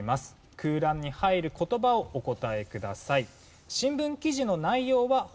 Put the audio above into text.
空欄に入る言葉をお答えください。